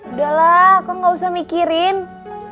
udahlah kau gak usah mikirin biar neng nanti ngurus